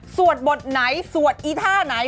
บทไหนสวดอีท่าไหน